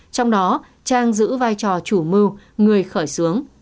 trong đó trang giữ vai trò chủ mưu người khởi xướng